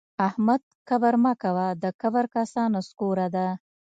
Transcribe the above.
احمده کبر مه کوه؛ د کبر کاسه نسکوره ده